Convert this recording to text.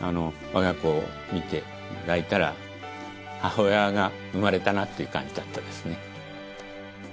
わが子を見て抱いたら母親が生まれたなという感じだったですね。